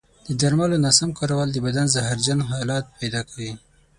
د درملو ناسم کارول د بدن زهرجن حالت پیدا کوي.